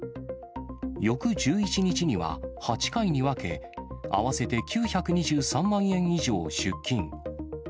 翌１１日には、８回に分け、合わせて９２３万円以上を出金。